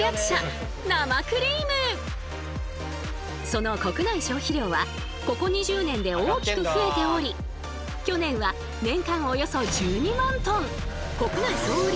その国内消費量はここ２０年で大きく増えており去年は年間およそ１２万トン。